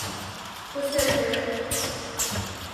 Тосет вет.